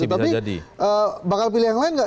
tapi bakal pilih yang lain nggak